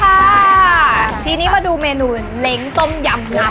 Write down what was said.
อันนี้ก็คือตำเองหมดแหม่งลบ